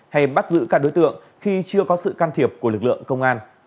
hay bắt giữ các đối tượng khi chưa có sự can thiệp của lực lượng công an